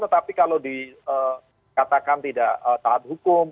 tetapi kalau dikatakan tidak taat hukum